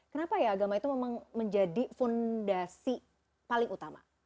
kenapa ya agama itu memang menjadi fondasi paling utama